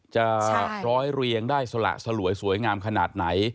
จะร้อยเรียงได้สละสลวยสวยงามขนาดไหน